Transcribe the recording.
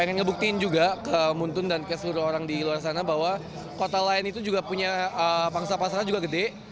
pengen ngebuktiin juga ke muntun dan ke seluruh orang di luar sana bahwa kota lain itu juga punya pangsa pasarnya juga gede